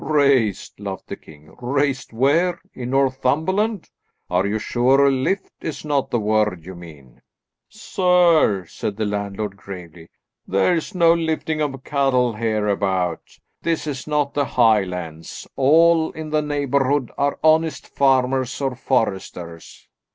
"Raised!" laughed the king. "Raised where? In Northumberland? Are you sure 'lift' is not the word you mean?" "Sir," said the landlord, gravely, "there's no lifting of cattle hereabout. This is not the Highlands. All in the neighbourhood are honest farmers or foresters."